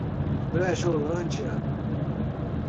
Brejolândia